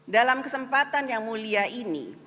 dalam kesempatan yang mulia ini